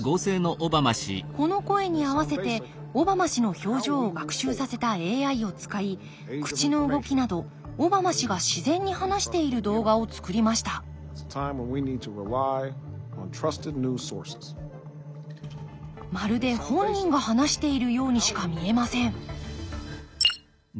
この声に合わせてオバマ氏の表情を学習させたＡＩを使い口の動きなどオバマ氏が自然に話している動画をつくりましたまるで本人が話しているようにしか見えません